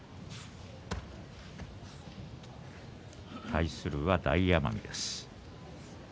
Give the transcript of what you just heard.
対するは大奄美です。